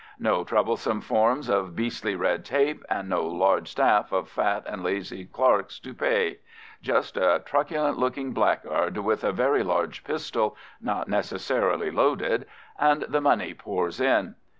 No troublesome forms of beastly red tape, and no large staff of fat and lazy clerks to pay! Just a truculent looking blackguard with a very large pistol, not necessarily loaded, and the money pours in.